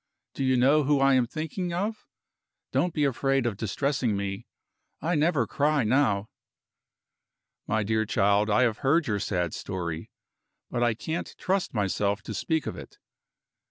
Do you know who I am thinking of? Don't be afraid of distressing me. I never cry now." "My dear child, I have heard your sad story but I can't trust myself to speak of it."